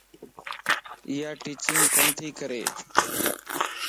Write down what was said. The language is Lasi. ايا ٽيچنگ ڪوتي ڪري